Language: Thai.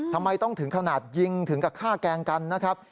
ทำไมต้องถึงขนาดยิงถึงกับฆ่าแกล้งกันนะครับ